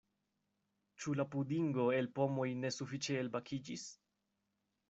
Ĉu la pudingo el pomoj ne sufiĉe elbakiĝis?